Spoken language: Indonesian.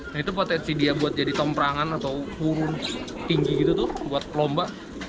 nah itu potensi dia buat jadi tomprangan atau hurun tinggi gitu tuh buat lomba